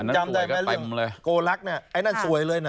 จำได้ไหมเรื่องของโกลับไอ้นั่นสวยเลย